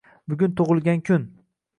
Bugun tug‘ilgan kun